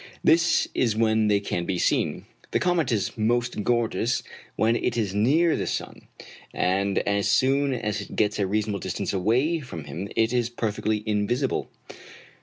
This is when they can be seen. The comet is most gorgeous when it is near the sun, and as soon as it gets a reasonable distance away from him it is perfectly invisible.